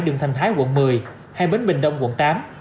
đường thành thái quận một mươi hay bến bình đông quận tám